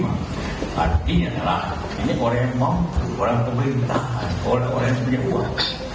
artinya adalah ini orang yang mau orang yang keberintahan orang orang yang punya kuat